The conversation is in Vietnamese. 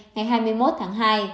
ngày hai mươi một tháng hai